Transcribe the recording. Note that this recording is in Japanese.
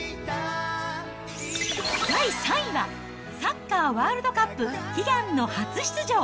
第３位は、サッカーワールドカップ、悲願の初出場！